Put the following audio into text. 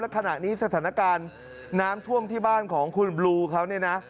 ขณะนี้สถานการณ์น้ำท่วมที่บ้านของคุณบลูเขาเนี่ยนะ